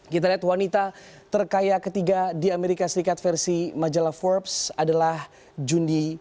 kita lihat wanita terkaya ketiga di amerika serikat versi majalah forbes adalah jundi